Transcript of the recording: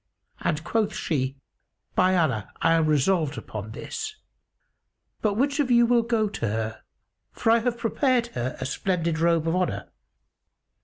and quoth she, "By Allah, I am resolved upon this; but which of you will go to her, for I have prepared her a splendid robe of honour?"